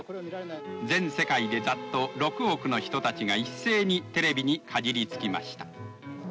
全世界でざっと６億の人たちが一斉にテレビにかじりつきました。